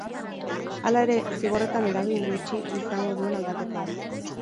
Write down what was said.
Hala ere, zigorretan eragin gutxi izango duen aldaketa da.